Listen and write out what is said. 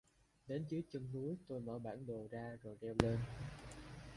Đến dưới chân núi, tôi mở bản đồ ra rồi reo lên